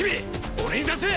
俺に出せ！